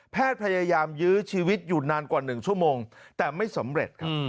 พยายามยื้อชีวิตอยู่นานกว่า๑ชั่วโมงแต่ไม่สำเร็จครับ